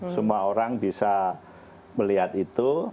semua orang bisa melihat itu